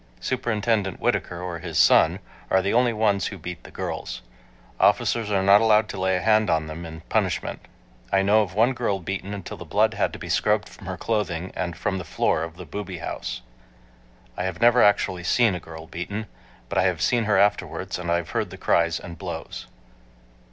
Superintendent Whittaker or his son are the only ones who beat the girls. Officers are not allowed to lay a hand on them in punishment. I know of one girl beaten until the blood had to be scrubbed from her clothing and from the floor of the "booby house." I have never actually seen a girl beaten, but I have seen her afterwards and I have heard the cries and blows.